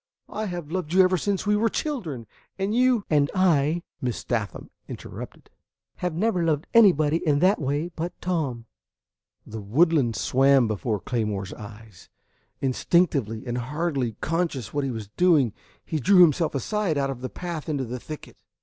I have loved you ever since we were children, and you " "And I," Miss Sathman interrupted, "have never loved anybody in that way but Tom." The woodland swam before Claymore's eyes. Instinctively, and hardly conscious what he was doing, he drew himself aside out of the path into the thicket.